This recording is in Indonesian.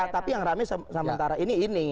tapi yang rame sementara ini ini